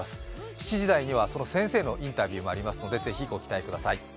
７時代には、その先生のインタビューもありますのでご期待ください。